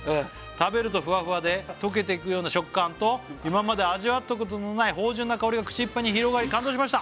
「食べるとフワフワで溶けてくような食感と」「今まで味わったことのない芳醇な香りが口いっぱいに広がり」「感動しました」